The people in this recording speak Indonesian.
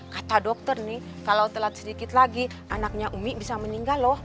kata dokter nih kalau telat sedikit lagi anaknya umi bisa meninggal loh